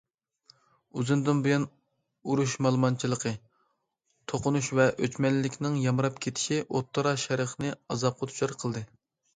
ئۇزۇندىن بۇيان ئۇرۇش مالىمانچىلىقى، توقۇنۇش ۋە ئۆچمەنلىكنىڭ يامراپ كېتىشى ئوتتۇرا شەرقنى ئازابقا دۇچار قىلدى.